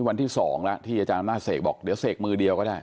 วันที่๒แล้วที่อาจารย์อำนาจเสกบอกเดี๋ยวเสกมือเดียวก็ได้